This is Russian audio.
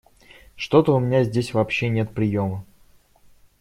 Что-то у меня здесь вообще нет приема.